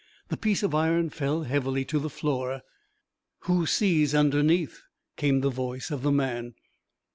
The piece of iron fell heavily to the floor. "Who sees underneath?" came the voice of the man.